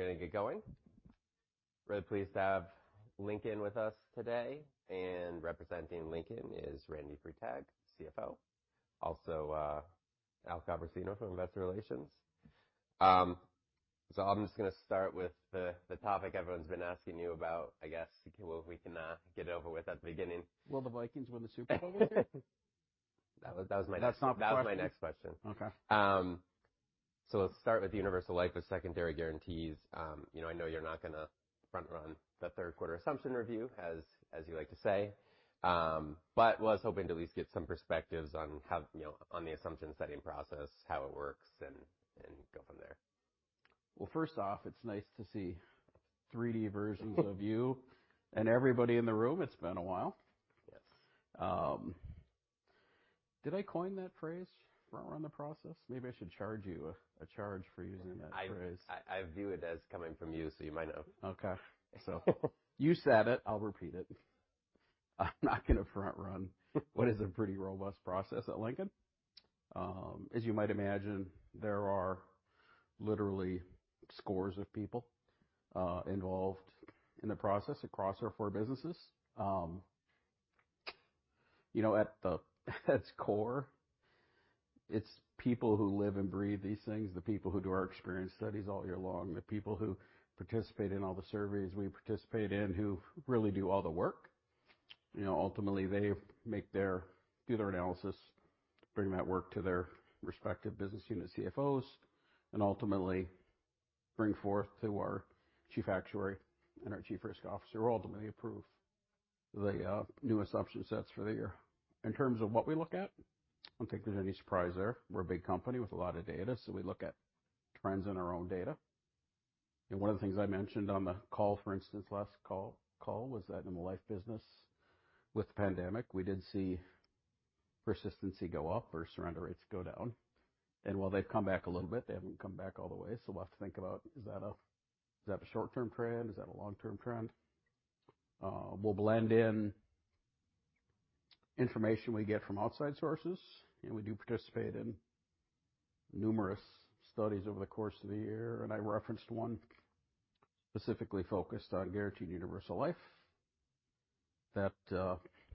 We're going to get going. Really pleased to have Lincoln with us today, and representing Lincoln is Randy Freitag, CFO. Also, Al Copersino from Investor Relations. I'm just going to start with the topic everyone's been asking you about, I guess, we can get it over with at the beginning. Will the Vikings win the Super Bowl this year? That was my next. That's not the question. That was my next question. Okay. Let's start with universal life with secondary guarantees. I know you're not going to front-run the third quarter assumption review, as you like to say. Was hoping to at least get some perspectives on the assumption-setting process, how it works, and go from there. First off, it's nice to see 3D versions of you and everybody in the room. It's been a while. Yes. Did I coin that phrase, front-run the process? Maybe I should charge you a charge for using that phrase. I view it as coming from you, so you might owe me. Okay. You said it, I'll repeat it. I'm not going to front-run what is a pretty robust process at Lincoln. As you might imagine, there are literally scores of people involved in the process across our four businesses. At its core, it's people who live and breathe these things, the people who do our experience studies all year long, the people who participate in all the surveys we participate in, who really do all the work. Ultimately, they do their analysis, bring that work to their respective business unit CFOs, ultimately bring forth to our Chief Actuary and our Chief Risk Officer, who ultimately approve the new assumption sets for the year. In terms of what we look at, I don't think there's any surprise there. We're a big company with a lot of data. We look at trends in our own data. One of the things I mentioned on the call, for instance, last call was that in the life business with the pandemic, we did see persistency go up or surrender rates go down. While they've come back a little bit, they haven't come back all the way. We'll have to think about, is that a short-term trend? Is that a long-term trend? We'll blend in information we get from outside sources. We do participate in numerous studies over the course of the year. I referenced one specifically focused on Guaranteed Universal Life that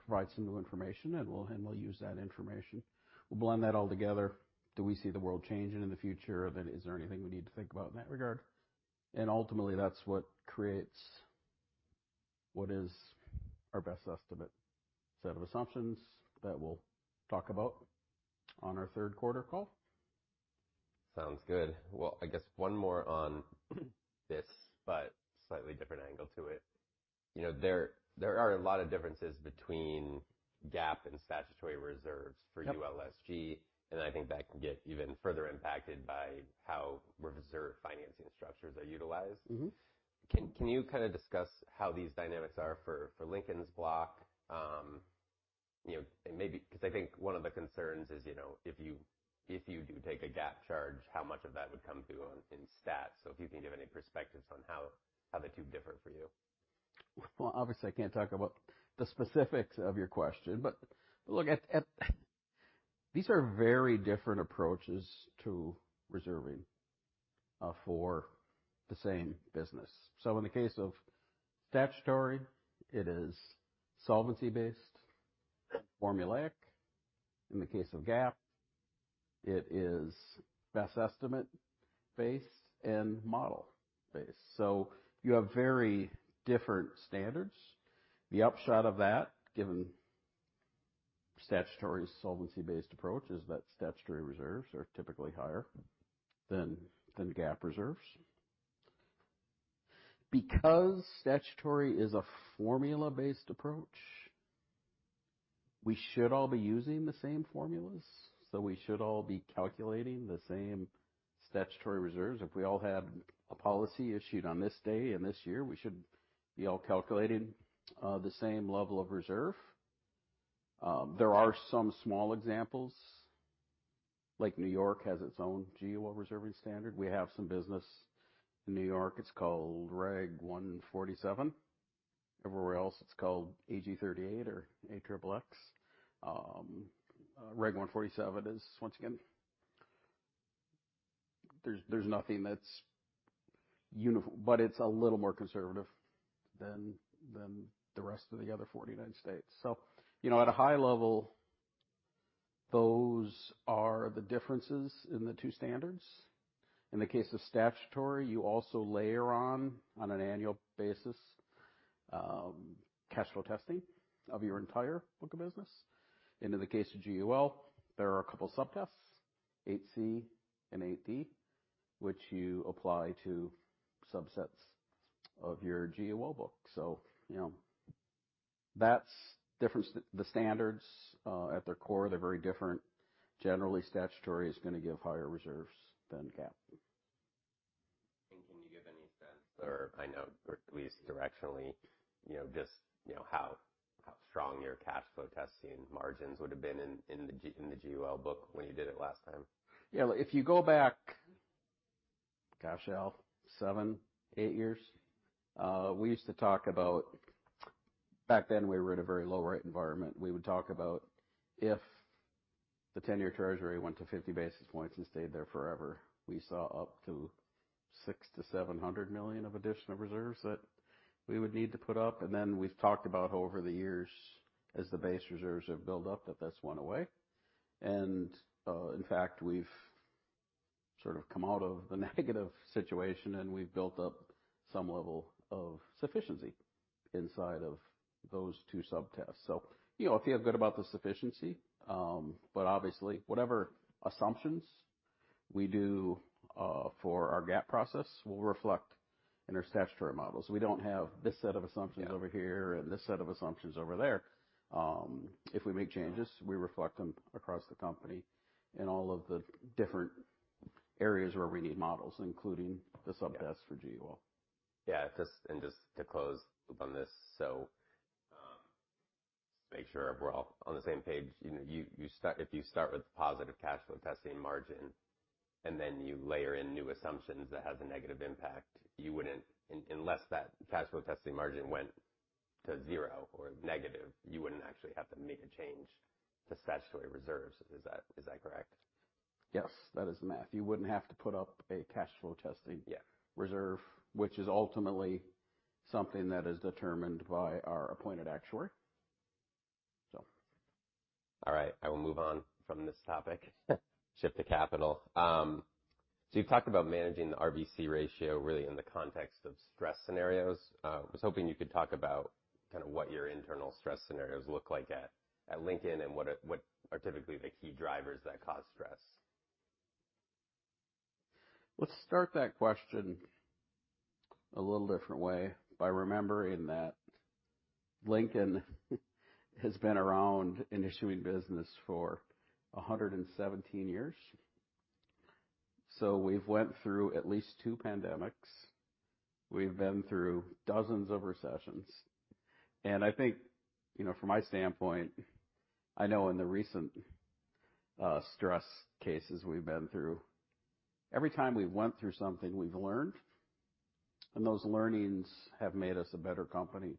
provides some new information. We'll use that information. We'll blend that all together. Do we see the world changing in the future? Is there anything we need to think about in that regard? Ultimately, that's what creates what is our best estimate set of assumptions that we'll talk about on our third quarter call. Well, I guess one more on this, but slightly different angle to it. There are a lot of differences between GAAP and statutory reserves for ULSG, and I think that can get even further impacted by how reserve financing structures are utilized. Can you kind of discuss how these dynamics are for Lincoln's block? Because I think one of the concerns is if you do take a GAAP charge, how much of that would come through in stats? If you can give any perspectives on how the two differ for you. Well, obviously, I can't talk about the specifics of your question, but look, these are very different approaches to reserving for the same business. In the case of statutory, it is solvency-based, formulaic. In the case of GAAP, it is best estimate-based and model-based. You have very different standards. The upshot of that, given statutory solvency-based approach, is that statutory reserves are typically higher than GAAP reserves. Statutory is a formula-based approach, we should all be using the same formulas, so we should all be calculating the same statutory reserves. If we all had a policy issued on this day and this year, we should be all calculating the same level of reserve. There are some small examples, like New York has its own GUL reserving standard. We have some business in New York. It's called Reg 147. Everywhere else, it's called AG 38 or AXXX. Reg 147 is, once again, there's nothing that's uniform, but it's a little more conservative than the rest of the other 49 states. At a high level, those are the differences in the two standards. In the case of statutory, you also layer on an annual basis, cash flow testing of your entire book of business. In the case of GUL, there are a couple subtests, 8C and 8D, which you apply to subsets of your GUL book. The standards at their core, they're very different. Generally, statutory is going to give higher reserves than GAAP. Can you give any sense or I know, or at least directionally, just how strong your cash flow testing margins would have been in the GUL book when you did it last time? Yeah. If you go back, gosh, Al, seven, eight years, we used to talk about. Back then, we were at a very low rate environment. We would talk about if the 10-year Treasury went to 50 basis points and stayed there forever, we saw up to $600 million-$700 million of additional reserves that we would need to put up. Then we've talked about over the years, as the base reserves have built up, that that's went away. In fact, we've sort of come out of the negative situation, and we've built up some level of sufficiency inside of those two sub-tests. I feel good about the sufficiency, but obviously, whatever assumptions we do for our GAAP process will reflect in our statutory models. We don't have this set of assumptions over here and this set of assumptions over there. If we make changes, we reflect them across the company in all of the different areas where we need models, including the sub-tests for GUL. Yeah. Just to close up on this, so make sure we're all on the same page. If you start with positive cash flow testing margin, then you layer in new assumptions that has a negative impact, unless that cash flow testing margin went to zero or negative, you wouldn't actually have to make a change to statutory reserves. Is that correct? Yes. That is the math. You wouldn't have to put up a cash flow testing- Yeah reserve, which is ultimately something that is determined by our appointed actuary. All right. I will move on from this topic. Shift to capital. You've talked about managing the RBC ratio really in the context of stress scenarios. I was hoping you could talk about what your internal stress scenarios look like at Lincoln and what are typically the key drivers that cause stress. Let's start that question a little different way by remembering that Lincoln has been around in issuing business for 117 years. We've went through at least two pandemics. We've been through dozens of recessions. I think from my standpoint, I know in the recent stress cases we've been through, every time we've went through something, we've learned, and those learnings have made us a better company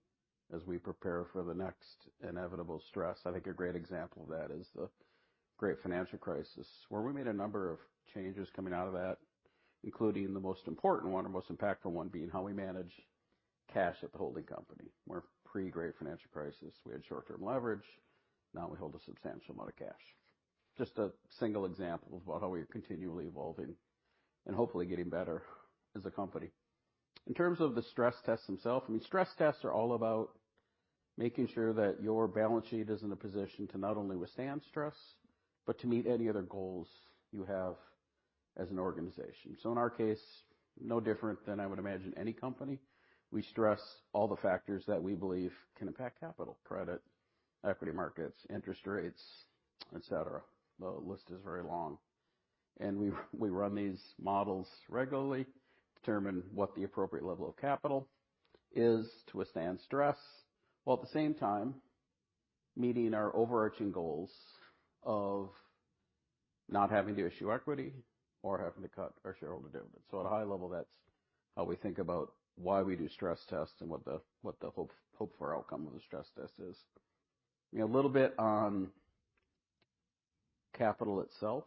as we prepare for the next inevitable stress. I think a great example of that is the great financial crisis, where we made a number of changes coming out of that, including the most important one or most impactful one being how we manage cash at the holding company, where pre-great financial crisis, we had short-term leverage. Now we hold a substantial amount of cash. Just a single example of how we are continually evolving and hopefully getting better as a company. In terms of the stress tests themselves, stress tests are all about making sure that your balance sheet is in a position to not only withstand stress, but to meet any other goals you have as an organization. In our case, no different than I would imagine any company, we stress all the factors that we believe can impact capital, credit, equity markets, interest rates, et cetera. The list is very long. We run these models regularly to determine what the appropriate level of capital is to withstand stress, while at the same time meeting our overarching goals of not having to issue equity or having to cut our shareholder dividends. At a high level, that's how we think about why we do stress tests and what the hoped-for outcome of the stress test is. A little bit on capital itself.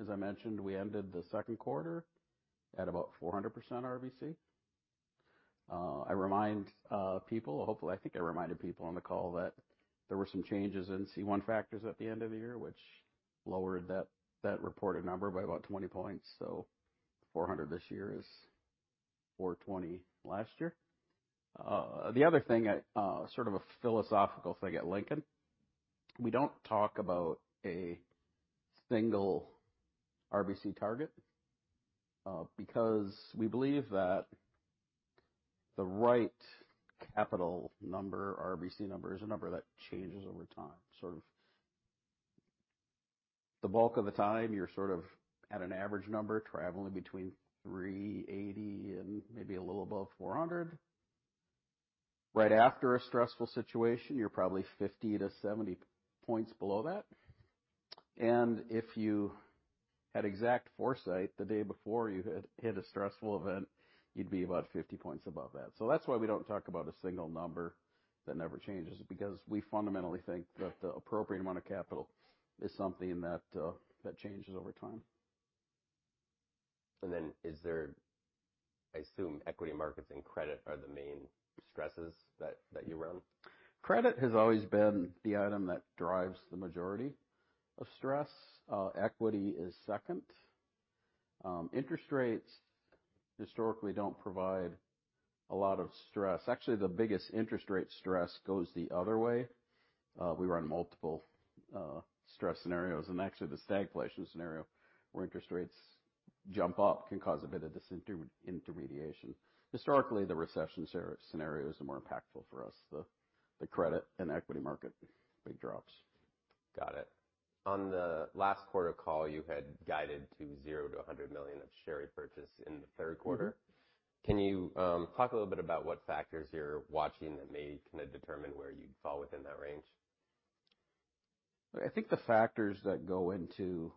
As I mentioned, we ended the second quarter at about 400% RBC. I remind people, hopefully, I think I reminded people on the call that there were some changes in C1 factors at the end of the year, which lowered that reported number by about 20 points. 400 this year is 420 last year. The other thing, sort of a philosophical thing at Lincoln, we don't talk about a single RBC target, because we believe that the right capital number, RBC number, is a number that changes over time. Sort of the bulk of the time, you're sort of at an average number, traveling between 380 and maybe a little above 400. Right after a stressful situation, you're probably 50 to 70 points below that. If you had exact foresight the day before you hit a stressful event, you'd be about 50 points above that. That's why we don't talk about a single number that never changes, because we fundamentally think that the appropriate amount of capital is something that changes over time. Is there, I assume equity markets and credit are the main stresses that you run? Credit has always been the item that drives the majority of stress. Equity is second. Interest rates historically don't provide a lot of stress. The biggest interest rate stress goes the other way. We run multiple stress scenarios, actually the stagflation scenario where interest rates jump up can cause a bit of disintermediation. Historically, the recession scenarios are more impactful for us, the credit and equity market, big drops. Got it. On the last quarter call, you had guided to $0-$100 million of share repurchase in the third quarter. Can you talk a little bit about what factors you're watching that may kind of determine where you'd fall within that range? I think the factors that go into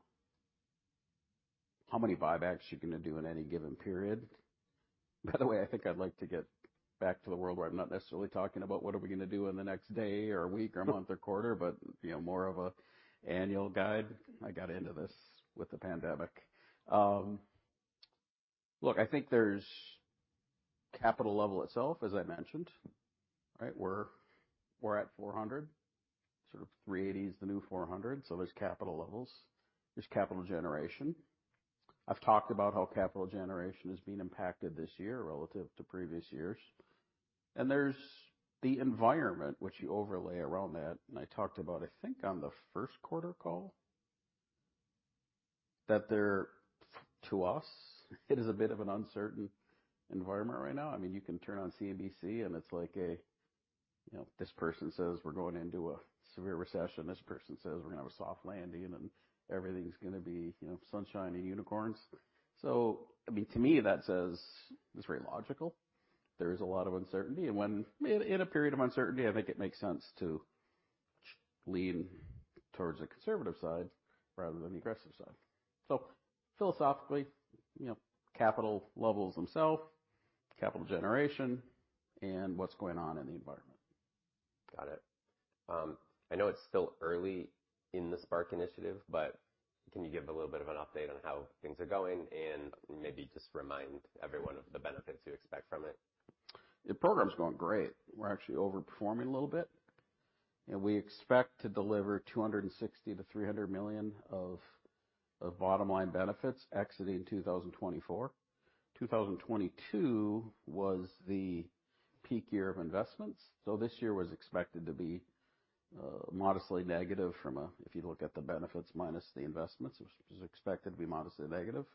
how many buybacks you're going to do in any given period. By the way, I think I'd like to get back to the world where I'm not necessarily talking about what are we going to do in the next day or week or month or quarter, but more of an annual guide. I got into this with the pandemic. Look, I think there's capital level itself, as I mentioned. We're at 400, sort of 380 is the new 400, so there's capital levels. There's capital generation. I've talked about how capital generation is being impacted this year relative to previous years. There's the environment which you overlay around that, I talked about, I think on the first quarter call, that they're to us, it is a bit of an uncertain environment right now. You can turn on CNBC, and it's like this person says we're going into a severe recession, this person says we're going to have a soft landing, and everything's going to be sunshine and unicorns. To me that says it's very logical. There is a lot of uncertainty, and in a period of uncertainty, I think it makes sense to lean towards the conservative side rather than the aggressive side. Philosophically, capital levels themselves, capital generation, and what's going on in the environment. Got it. I know it's still early in the Spark Initiative, can you give a little bit of an update on how things are going, and maybe just remind everyone of the benefits you expect from it? The program's going great. We're actually over-performing a little bit, and we expect to deliver $260 million-$300 million of bottom-line benefits exiting 2024. 2022 was the peak year of investments. This year was expected to be modestly negative from a, if you look at the benefits minus the investments, which was expected to be modestly negative.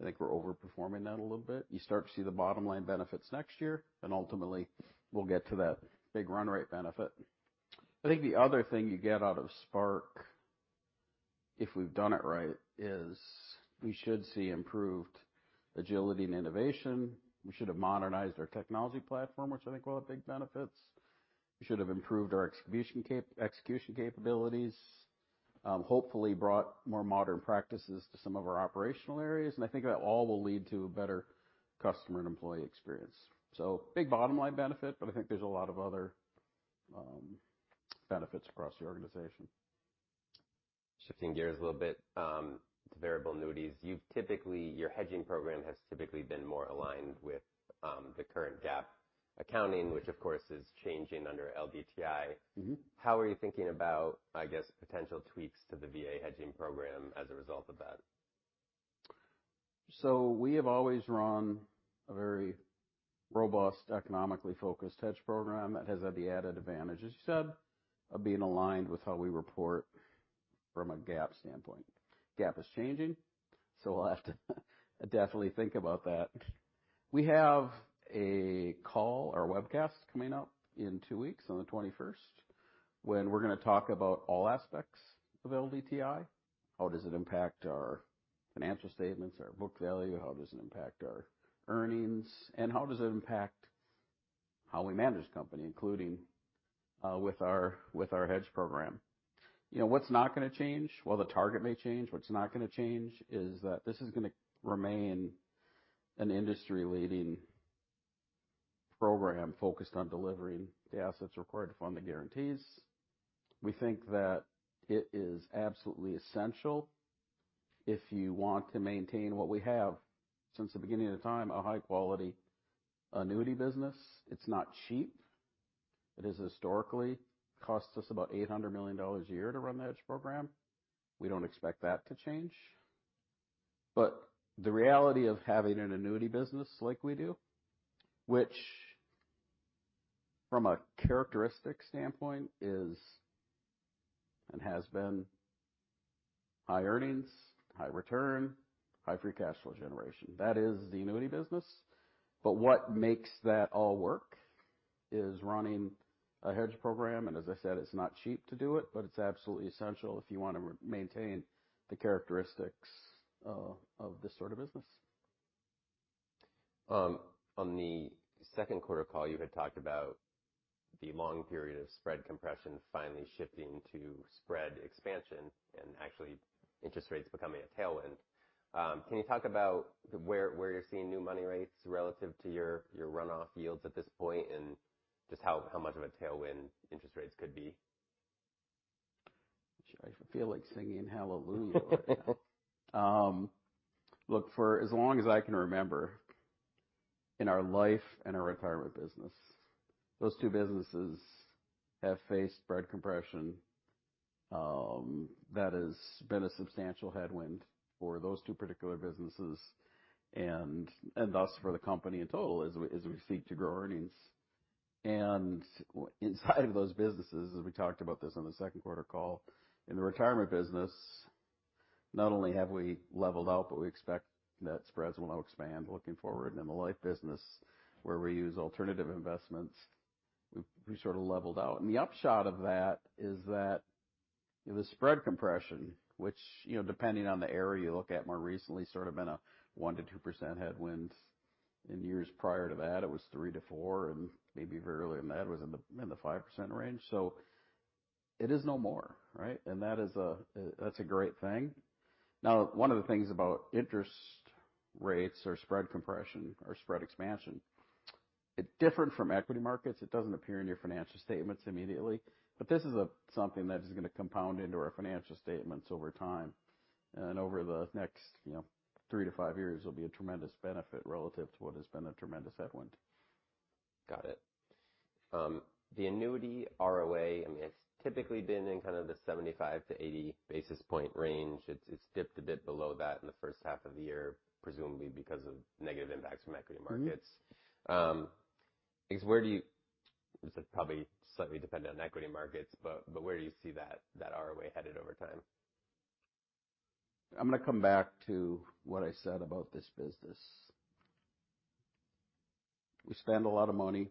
I think we're over-performing that a little bit. You start to see the bottom-line benefits next year, and ultimately we'll get to that big run rate benefit. I think the other thing you get out of Spark, if we've done it right, is we should see improved agility and innovation. We should have modernized our technology platform, which I think will have big benefits. We should have improved our execution capabilities. Hopefully brought more modern practices to some of our operational areas, and I think that all will lead to a better customer and employee experience. Big bottom-line benefit, but I think there's a lot of other benefits across the organization. Shifting gears a little bit to variable annuities. Your hedging program has typically been more aligned with the current GAAP accounting, which of course is changing under LDTI. How are you thinking about, I guess, potential tweaks to the VA hedging program as a result of that? We have always run a very robust, economically focused hedge program that has had the added advantage, as you said, of being aligned with how we report from a GAAP standpoint. GAAP is changing, we'll have to definitely think about that. We have a call or webcast coming up in two weeks on the 21st, when we're going to talk about all aspects of LDTI. How does it impact our financial statements, our book value, how does it impact our earnings, and how does it impact how we manage the company, including with our hedge program. What's not going to change? While the target may change, what's not going to change is that this is going to remain an industry-leading program focused on delivering the assets required to fund the guarantees. We think that it is absolutely essential if you want to maintain what we have since the beginning of time, a high-quality annuity business. It's not cheap. It has historically cost us about $800 million a year to run the hedge program. We don't expect that to change. The reality of having an annuity business like we do, which from a characteristic standpoint is and has been high earnings, high return, high free cash flow generation. That is the annuity business. What makes that all work is running a hedge program, and as I said, it's not cheap to do it, but it's absolutely essential if you want to maintain the characteristics of this sort of business. On the second quarter call, you had talked about the long period of spread compression finally shifting to spread expansion. Actually interest rates becoming a tailwind. Can you talk about where you're seeing new money rates relative to your runoff yields at this point, just how much of a tailwind interest rates could be? I feel like singing hallelujah right now. Look, for as long as I can remember in our life and our retirement business, those two businesses have faced spread compression. That has been a substantial headwind for those two particular businesses and thus for the company in total as we seek to grow earnings. Inside of those businesses, as we talked about this on the second quarter call, in the retirement business, not only have we leveled out, but we expect that spreads will now expand looking forward in the life business where we use alternative investments. We've sort of leveled out. The upshot of that is that the spread compression, which depending on the area you look at more recently sort of been a 1%-2% headwind. In years prior to that, it was 3%-4%, maybe very early in that was in the 5% range. It is no more, right? That's a great thing. One of the things about interest rates or spread compression or spread expansion, it's different from equity markets. It doesn't appear in your financial statements immediately, but this is something that is going to compound into our financial statements over time. Over the next three to five years will be a tremendous benefit relative to what has been a tremendous headwind. Got it. The annuity ROA, it's typically been in kind of the 75 to 80 basis point range. It's dipped a bit below that in the first half of the year, presumably because of negative impacts from equity markets. This would probably slightly depend on equity markets. Where do you see that ROA headed over time? I'm going to come back to what I said about this business. We spend a lot of money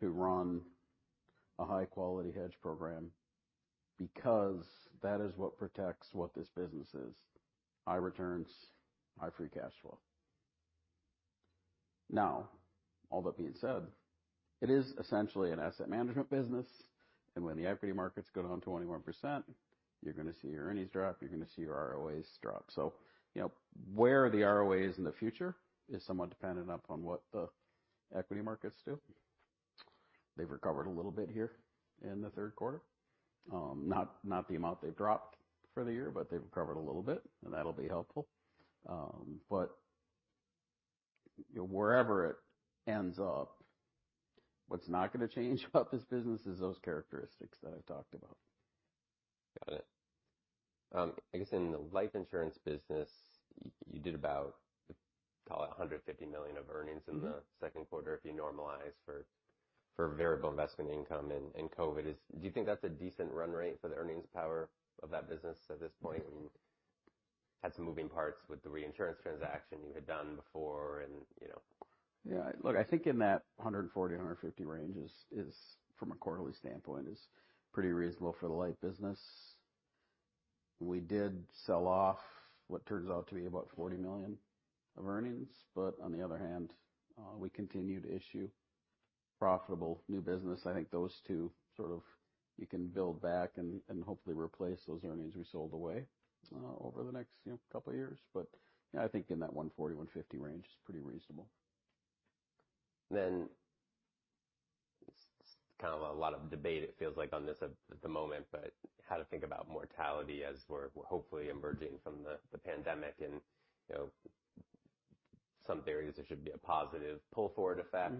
to run a high-quality hedge program because that is what protects what this business is, high returns, high free cash flow. All that being said, it is essentially an asset management business, and when the equity markets go down 21%, you're going to see your earnings drop, you're going to see your ROAs drop. Where the ROA is in the future is somewhat dependent upon what the equity markets do. They've recovered a little bit here in the third quarter. Not the amount they've dropped for the year, but they've recovered a little bit, and that'll be helpful. Wherever it ends up, what's not going to change about this business is those characteristics that I've talked about. Got it. I guess in the life insurance business, you did about, call it $150 million of earnings in the second quarter, if you normalize for variable investment income and COVID. Do you think that's a decent run rate for the earnings power of that business at this point when you had some moving parts with the reinsurance transaction you had done before and? Yeah, look, I think in that $140 million-$150 million range is from a quarterly standpoint, is pretty reasonable for the life business. We did sell off what turns out to be about $40 million of earnings. On the other hand, we continue to issue profitable new business. I think those two sort of you can build back and hopefully replace those earnings we sold away over the next couple of years. I think in that $140 million-$150 million range is pretty reasonable. It's a lot of debate on this at the moment, how to think about mortality as we're hopefully emerging from the pandemic and some theories there should be a positive pull forward effect.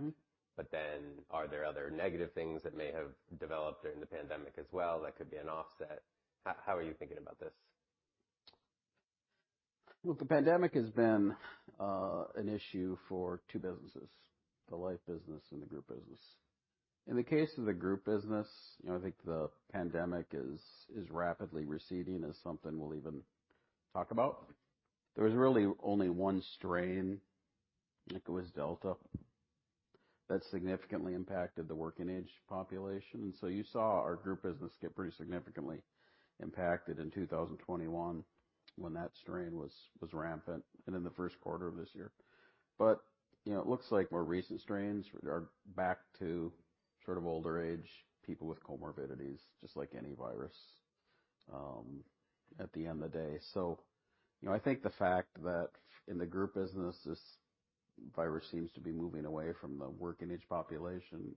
Are there other negative things that may have developed during the pandemic as well that could be an offset? How are you thinking about this? The pandemic has been an issue for two businesses, the life business and the group business. In the case of the group business, I think the pandemic is rapidly receding as something we'll even talk about. There was really only one strain, I think it was Delta, that significantly impacted the working age population. You saw our group business get pretty significantly impacted in 2021 when that strain was rampant and in the first quarter of this year. It looks like more recent strains are back to older age people with comorbidities, just like any virus at the end of the day. I think the fact that in the group business, this virus seems to be moving away from the working age population,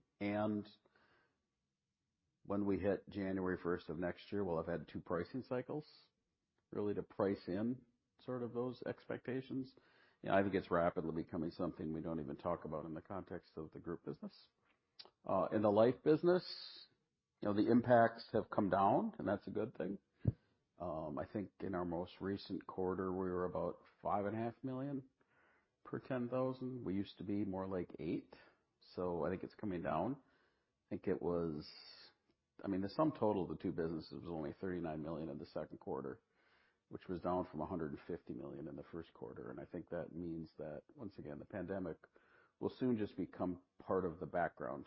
when we hit January 1st of next year, we'll have had two pricing cycles really to price in those expectations. I think it's rapidly becoming something we don't even talk about in the context of the group business. In the life business, the impacts have come down, and that's a good thing. I think in our most recent quarter, we were about $5.5 million per 10,000. We used to be more like eight, I mean, the sum total of the two businesses was only $39 million in the second quarter, which was down from $150 million in the first quarter. I think that means that once again, the pandemic will soon just become part of the background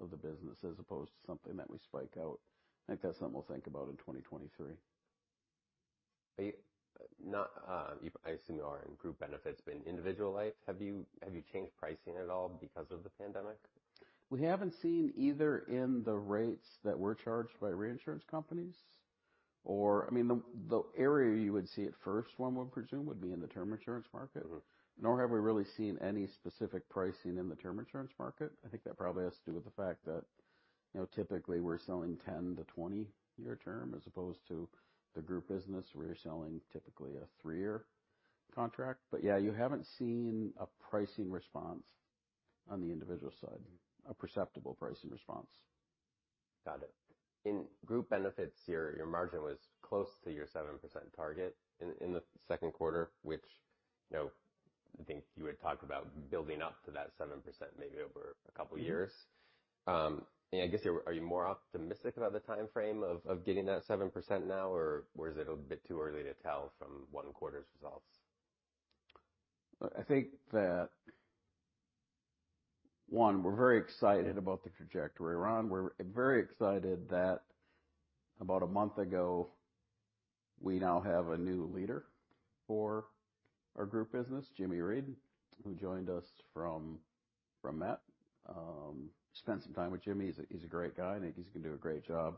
of the business as opposed to something that we spike out. I think that's something we'll think about in 2023. I assume you are in group benefits, but in individual life, have you changed pricing at all because of the pandemic? We haven't seen either in the rates that were charged by reinsurance companies or I mean, the area you would see it first one would presume would be in the term insurance market. Nor have we really seen any specific pricing in the term insurance market. I think that probably has to do with the fact that typically we're selling 10 to 20 year term as opposed to the group business where you're selling typically a three-year contract. Yeah, you haven't seen a pricing response on the individual side, a perceptible pricing response. Got it. In group benefits, your margin was close to your 7% target in the second quarter, which I think you had talked about building up to that 7%, maybe over a couple years. I guess, are you more optimistic about the timeframe of getting that 7% now or was it a bit too early to tell from one quarter's results? I think that one, we're very excited about the trajectory we're on. We're very excited that about a month ago We now have a new leader for our group business, Jimmy Reid, who joined us from Met. Spent some time with Jimmy. He's a great guy, and I think he's going to do a great job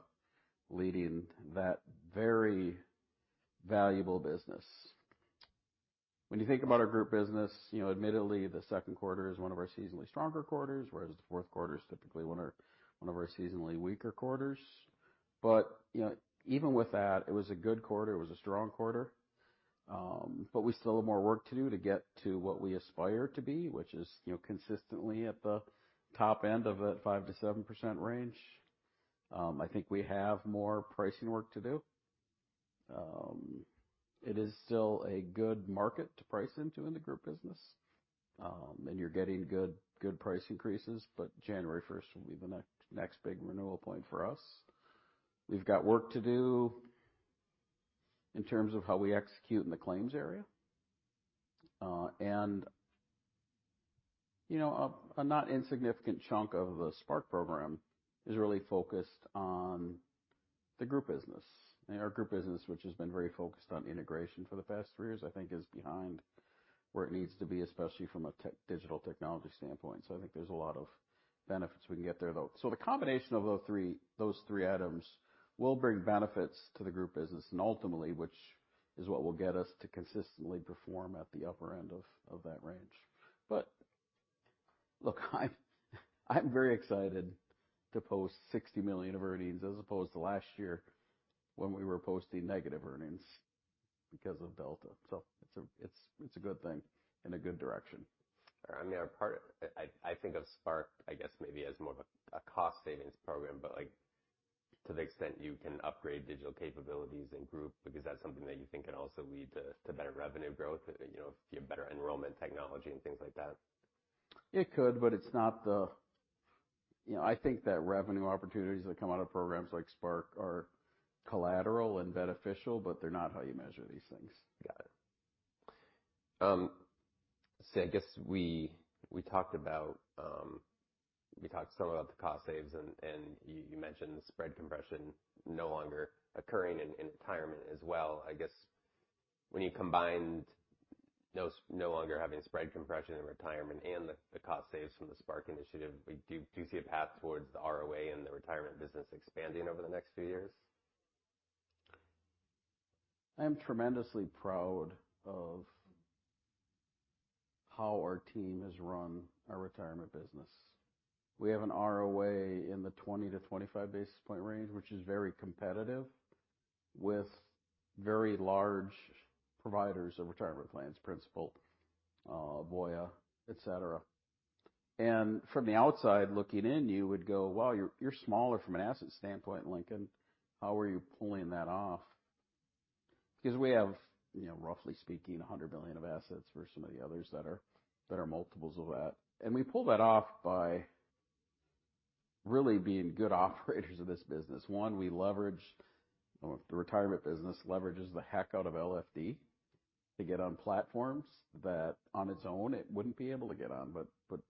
leading that very valuable business. When you think about our group business, admittedly, the second quarter is one of our seasonally stronger quarters, whereas the fourth quarter is typically one of our seasonally weaker quarters. Even with that, it was a good quarter. It was a strong quarter. We still have more work to do to get to what we aspire to be, which is consistently at the top end of that 5%-7% range. I think we have more pricing work to do. It is still a good market to price into in the group business. You're getting good price increases, January 1st will be the next big renewal point for us. We've got work to do in terms of how we execute in the claims area. A not insignificant chunk of the Spark Initiative is really focused on the group business. Our group business, which has been very focused on integration for the past three years, I think is behind where it needs to be, especially from a digital technology standpoint. I think there's a lot of benefits we can get there, though. The combination of those three items will bring benefits to the group business and ultimately, which is what will get us to consistently perform at the upper end of that range. look, I'm very excited to post $60 million of earnings as opposed to last year when we were posting negative earnings because of Delta. It's a good thing in a good direction. I think of Spark, I guess maybe as more of a cost savings program, to the extent you can upgrade digital capabilities in group, is that something that you think can also lead to better revenue growth if you have better enrollment technology and things like that? It could, I think that revenue opportunities that come out of programs like Spark are collateral and beneficial, they're not how you measure these things. Got it. I guess we talked some about the cost saves, you mentioned spread compression no longer occurring in retirement as well. I guess when you combined no longer having spread compression in retirement and the cost saves from the Spark Initiative, do you see a path towards the ROA and the retirement business expanding over the next few years? I'm tremendously proud of how our team has run our retirement business. We have an ROA in the 20-25 basis point range, which is very competitive with very large providers of retirement plans, Principal, Voya, et cetera. From the outside looking in, you would go, "Wow, you're smaller from an asset standpoint, Lincoln. How are you pulling that off?" Because we have, roughly speaking, $100 billion of assets versus some of the others that are multiples of that. We pull that off by really being good operators of this business. One, the retirement business leverages the heck out of LFD to get on platforms that on its own it wouldn't be able to get on.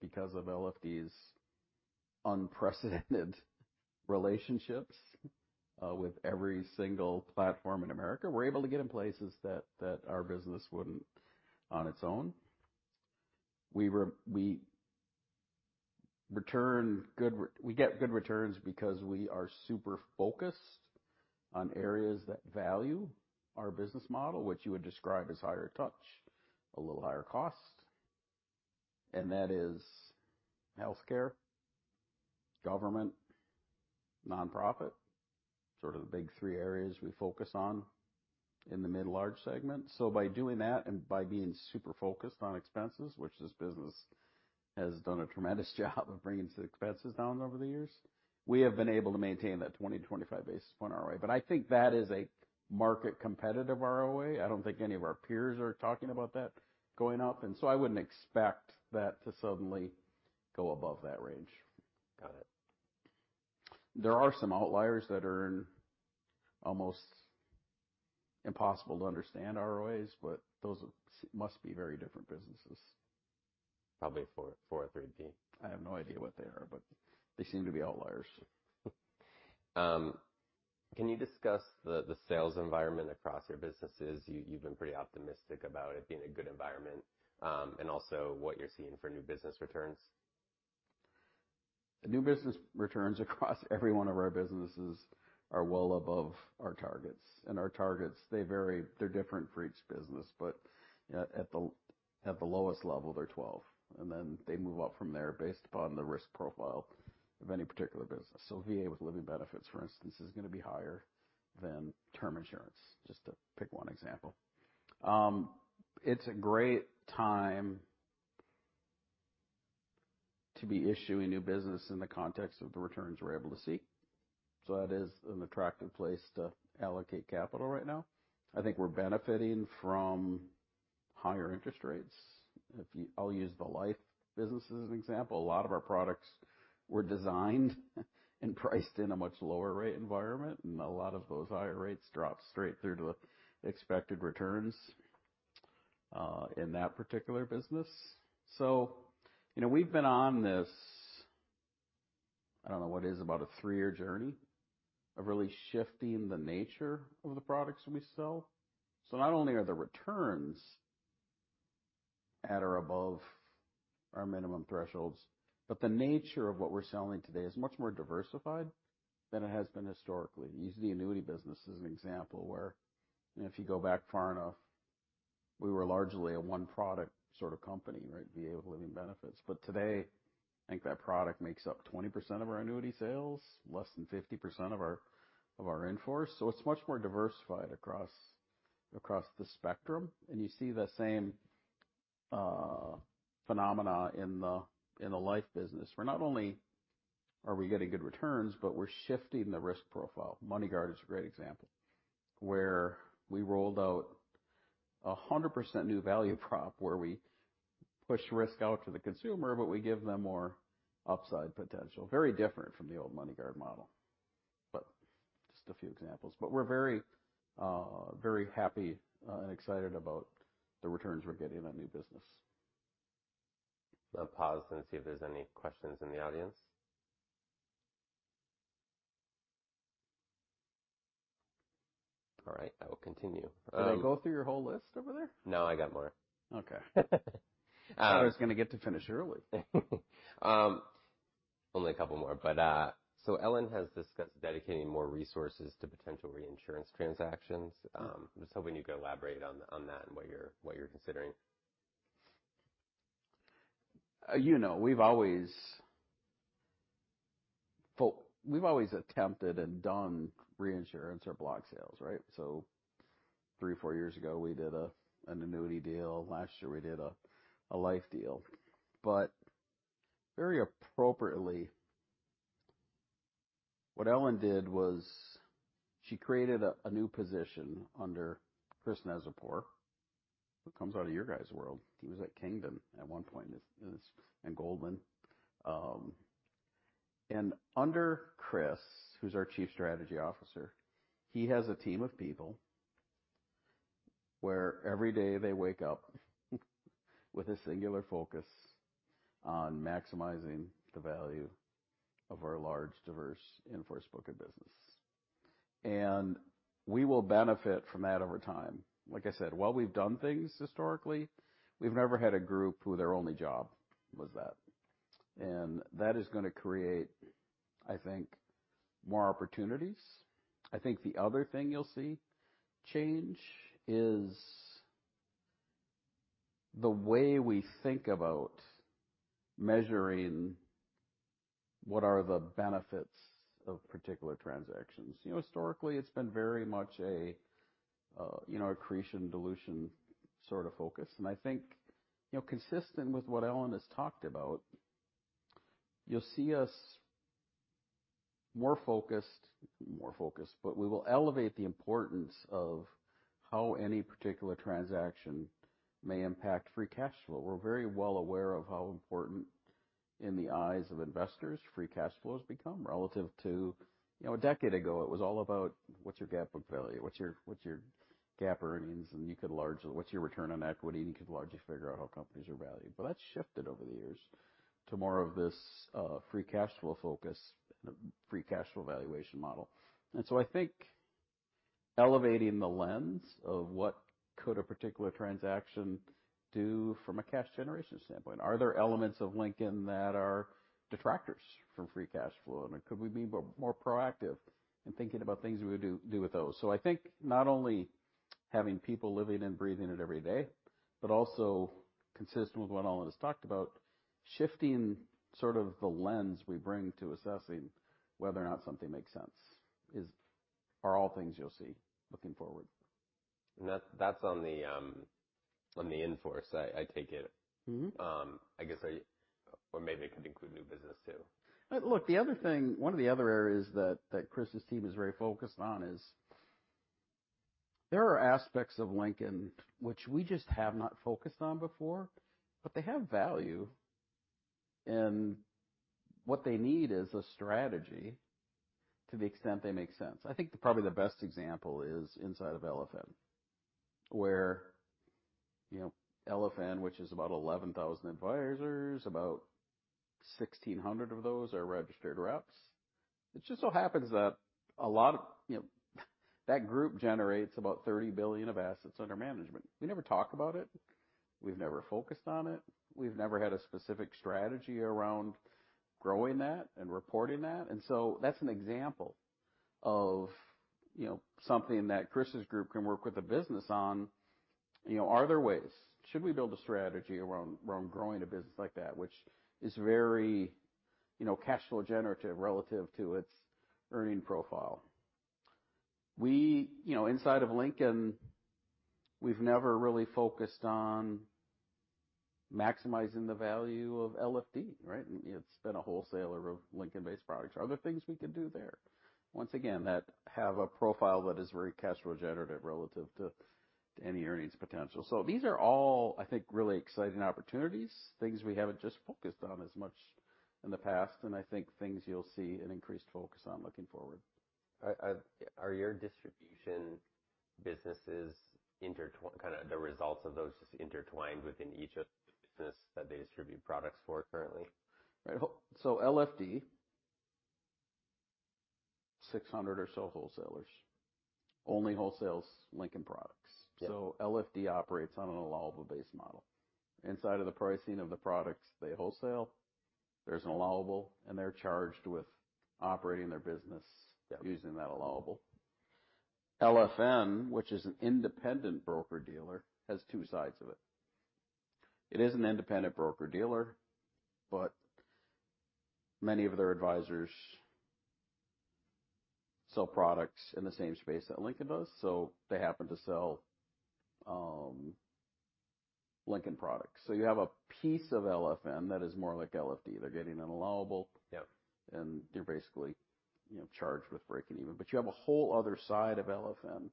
Because of LFD's unprecedented relationships with every single platform in America, we're able to get in places that our business wouldn't on its own. We get good returns because we are super focused on areas that value our business model, which you would describe as higher touch, a little higher cost, and that is healthcare, government, nonprofit, sort of the big three areas we focus on in the mid large segment. By doing that and by being super focused on expenses, which this business has done a tremendous job of bringing expenses down over the years, we have been able to maintain that 20-25 basis point ROA. I think that is a market competitive ROA. I don't think any of our peers are talking about that going up, I wouldn't expect that to suddenly go above that range. Got it. There are some outliers that earn almost impossible to understand ROAs, those must be very different businesses. Probably 403. I have no idea what they are, but they seem to be outliers. Can you discuss the sales environment across your businesses? You've been pretty optimistic about it being a good environment. Also what you're seeing for new business returns. New business returns across every one of our businesses are well above our targets. Our targets, they vary. They're different for each business, but at the lowest level, they're 12. Then they move up from there based upon the risk profile of any particular business. VA with living benefits, for instance, is going to be higher than term insurance, just to pick one example. It's a great time to be issuing new business in the context of the returns we're able to see. That is an attractive place to allocate capital right now. I think we're benefiting from higher interest rates. I'll use the life business as an example. A lot of our products were designed and priced in a much lower rate environment, and a lot of those higher rates drop straight through to expected returns in that particular business. We've been on this I don't know what it is, about a 3-year journey of really shifting the nature of the products we sell. Not only are the returns at or above our minimum thresholds, but the nature of what we're selling today is much more diversified than it has been historically. Use the annuity business as an example where, if you go back far enough, we were largely a one-product sort of company, right? VA with living benefits. Today, I think that product makes up 20% of our annuity sales, less than 50% of our in-force. It's much more diversified across the spectrum, and you see the same phenomena in the life business, where not only are we getting good returns, but we're shifting the risk profile. MoneyGuard is a great example, where we rolled out 100% new value prop, where we push risk out to the consumer, but we give them more upside potential. Very different from the old MoneyGuard model. Just a few examples. We're very happy and excited about the returns we're getting on new business. I'll pause and see if there's any questions in the audience. All right, I will continue. Did I go through your whole list over there? No, I got more. Okay. Thought I was going to get to finish early. Only a couple more. Ellen has discussed dedicating more resources to potential reinsurance transactions. I'm just hoping you could elaborate on that and what you're considering. We've always attempted and done reinsurance or block sales, right? Three, four years ago, we did an annuity deal. Last year we did a life deal. Very appropriately, what Ellen did was she created a new position under Chris Neczypor, who comes out of your guys' world. He was at Kingdon at one point, and Goldman. Under Chris, who's our Chief Strategy Officer, he has a team of people where every day they wake up with a singular focus on maximizing the value of our large, diverse in-force book of business. We will benefit from that over time. Like I said, while we've done things historically, we've never had a group who their only job was that. That is going to create, I think, more opportunities. I think the other thing you'll see change is the way we think about measuring what are the benefits of particular transactions. Historically, it's been very much an accretion dilution sort of focus. I think, consistent with what Ellen has talked about, you'll see us more focused, but we will elevate the importance of how any particular transaction may impact free cash flow. We're very well aware of how important in the eyes of investors free cash flow has become relative to a decade ago, it was all about what's your GAAP book value, what's your GAAP earnings, and what's your return on equity, and you could largely figure out how companies are valued. That's shifted over the years to more of this free cash flow focus and a free cash flow valuation model. I think elevating the lens of what could a particular transaction do from a cash generation standpoint. Are there elements of Lincoln that are detractors from free cash flow? Could we be more proactive in thinking about things we would do with those? I think not only having people living and breathing it every day, but also consistent with what Ellen has talked about, shifting sort of the lens we bring to assessing whether or not something makes sense are all things you'll see looking forward. That's on the in-force, I take it. I guess, or maybe it could include new business too. One of the other areas that Chris's team is very focused on is there are aspects of Lincoln which we just have not focused on before, but they have value, and what they need is a strategy to the extent they make sense. I think probably the best example is inside of LFM, where LFM, which is about 11,000 advisors, about 1,600 of those are registered reps. It just so happens that group generates about $30 billion of assets under management. We never talk about it. We've never focused on it. We've never had a specific strategy around growing that and reporting that. That's an example of something that Chris's group can work with the business on. Are there ways? Should we build a strategy around growing a business like that, which is very cash flow generative relative to its earning profile? Inside of Lincoln, we've never really focused on maximizing the value of LFD, right? It's been a wholesaler of Lincoln-based products. Are there things we could do there, once again, that have a profile that is very cash flow generative relative to any earnings potential? These are all, I think, really exciting opportunities, things we haven't just focused on as much in the past, and I think things you'll see an increased focus on looking forward. Are your distribution businesses, kind of the results of those just intertwined within each of the business that they distribute products for currently? LFD, 600 or so wholesalers, only wholesales Lincoln products. Yeah. LFD operates on an allowable base model. Inside of the pricing of the products they wholesale, there's an allowable, and they're charged with operating their business- Yeah Using that allowable. LFM, which is an independent broker-dealer, has two sides of it. It is an independent broker-dealer, but many of their advisors sell products in the same space that Lincoln does, so they happen to sell Lincoln products. You have a piece of LFM that is more like LFD. They're getting an allowable. Yep. You're basically charged with breaking even. You have a whole other side of LFM,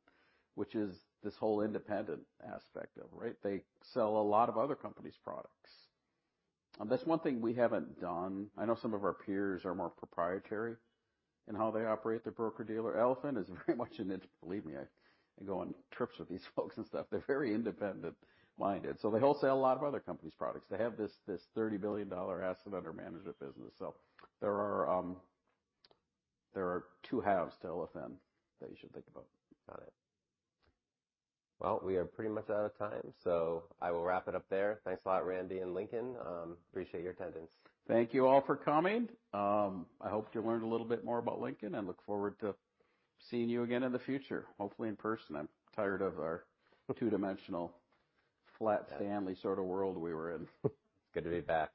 which is this whole independent aspect of, they sell a lot of other companies' products. That's one thing we haven't done. I know some of our peers are more proprietary in how they operate their broker-dealer. Believe me, I go on trips with these folks and stuff. They're very independent-minded. They wholesale a lot of other companies' products. They have this $30 billion asset under management business. There are two halves to LFM that you should think about. Got it. Well, we are pretty much out of time, so I will wrap it up there. Thanks a lot, Randy and Lincoln. Appreciate your attendance. Thank you all for coming. I hope you learned a little bit more about Lincoln. I look forward to seeing you again in the future, hopefully in person. I'm tired of our two-dimensional Flat Stanley sort of world we were in. It's good to be back